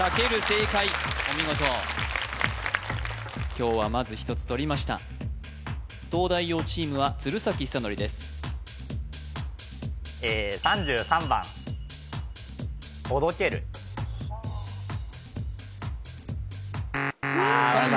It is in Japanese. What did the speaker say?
正解お見事今日はまず１つ取りました東大王チームは鶴崎修功ですえっあっ